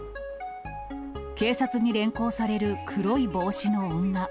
警察に連行される黒い帽子の女。